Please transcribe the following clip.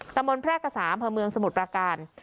ตำรวจแพร่กสามพระเมืองสมุดประการ